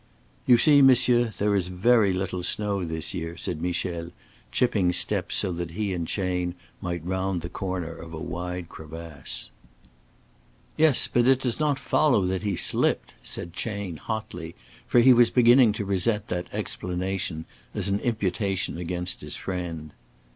"You see, monsieur, there is very little snow this year," said Michel, chipping steps so that he and Chayne might round the corner of a wide crevasse. "Yes, but it does not follow that he slipped," said Chayne, hotly, for he was beginning to resent that explanation as an imputation against his friend.